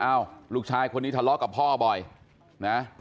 ลูกชายคนนี้ทะเลาะกับพ่อบ่อยนะ